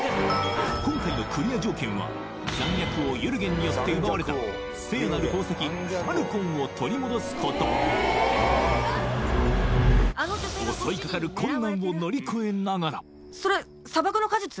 今回のクリア条件は残虐王ユルゲンによって奪われた聖なる宝石ファルコンを取り戻すこと襲いかかる困難を乗り越えながらそれ砂漠の果実？